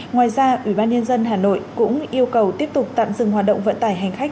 ngoài ra ubnd hà nội cũng yêu cầu tiếp tục tạm dừng hoạt động vận tải hành khách